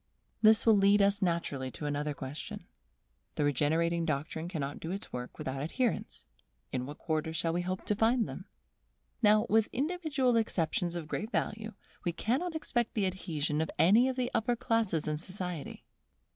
This will lead us naturally to another question. The regenerating doctrine cannot do its work without adherents; in what quarter should we hope to find them? Now, with individual exceptions of great value, we cannot expect the adhesion of any of the upper classes in society.